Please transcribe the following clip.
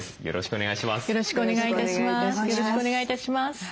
よろしくお願いします。